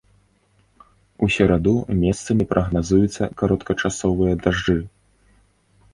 У сераду месцамі прагназуюцца кароткачасовыя дажджы.